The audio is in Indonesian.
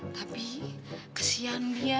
tapi kesian dia